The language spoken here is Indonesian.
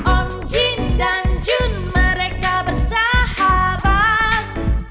om jin dan jun mereka bersahabat